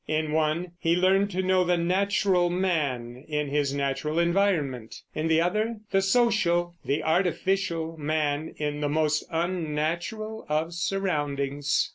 In one he learned to know the natural man in his natural environment; in the other, the social, the artificial man in the most unnatural of surroundings.